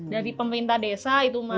dari pemerintah desa itu